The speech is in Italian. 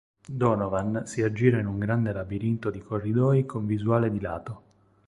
Donovan si aggira in un grande labirinto di corridoi con visuale di lato.